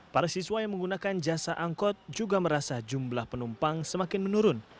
para siswa yang menggunakan jasa angkot juga merasa jumlah penumpang semakin menurun